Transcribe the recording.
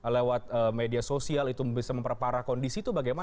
lewat media sosial itu bisa memperparah kondisi itu bagaimana